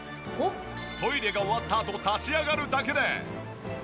トイレが終わったあと立ち上がるだけで。